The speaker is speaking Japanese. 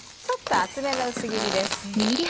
ちょっと厚めの薄切りです。